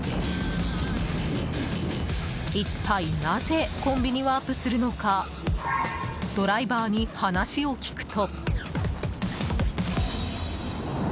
一体なぜコンビニワープするのかドライバーに話を聞くと。